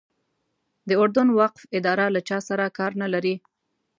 د اردن وقف اداره له چا سره کار نه لري.